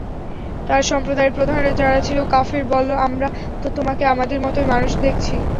তার সম্প্রদায়ের প্রধানরা যারা ছিল কাফির-বলল, আমরা তো তোমাকে আমাদের মতই মানুষ দেখছি।